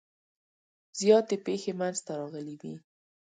زیاتې پیښې منځته راغلي وي.